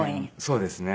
そうですね。